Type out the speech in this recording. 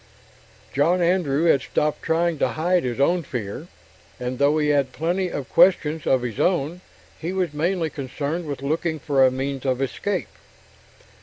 John Andrew had stopped trying to hide his own fear, and though he had plenty of questions of his own, he was mainly concerned with looking for a means of escape.